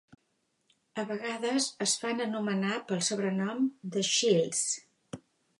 A vegades es fan anomenar pel sobrenom The Shells.